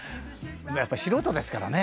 「やっぱり素人ですからね